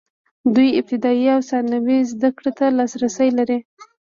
دوی ابتدايي او ثانوي زده کړې ته لاسرسی لري.